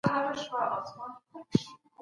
افغان نجوني د کار کولو مساوي حق نه لري.